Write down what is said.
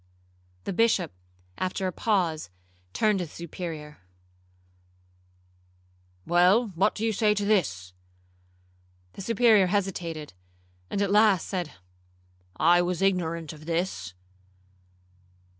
The Bishop, after a pause, turned to the Superior, 'Well, what do you say to this?' The Superior hesitated, and at last said, 'I was ignorant of this.'